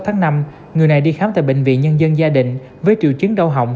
hai mươi sáu tháng năm người này đi khám tại bệnh viện nhân dân gia định với triệu chứng đau hỏng